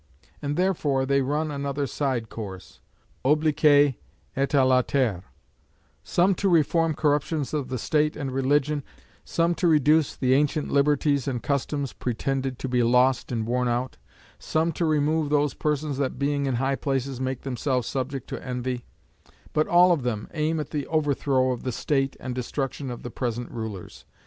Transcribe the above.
And therefore they run another side course, oblique et à latere: some to reform corruptions of the State and religion; some to reduce the ancient liberties and customs pretended to be lost and worn out; some to remove those persons that being in high places make themselves subject to envy; but all of them aim at the overthrow of the State and destruction of the present rulers.